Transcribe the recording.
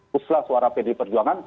puslah suara pd perjuangan